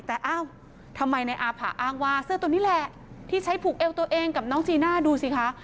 แต่อ้าวทำไมในอาผะอ้างว่าเสื้อตัวนี้แหละที่ใช้ผูกเอวตัวเองกับน้องจีน่าดูสิคะ